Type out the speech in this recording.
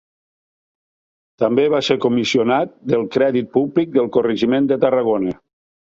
També va ser comissionat del crèdit públic del Corregiment de Tarragona.